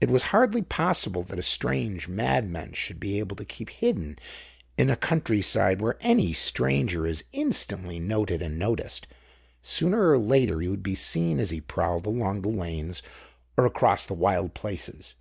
It was hardly possible that a strange madman should be able to keep hidden in a countryside where any stranger is instantly noted and noticed; sooner or later he would be seen as he prowled along the lanes or across the wild places.